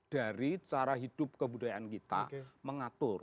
dari cara hidup kebudayaan kita mengatur